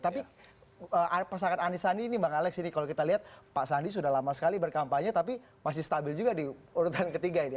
tapi pasangan anisandi ini bang alex ini kalau kita lihat pak sandi sudah lama sekali berkampanye tapi masih stabil juga di urutan ketiga ini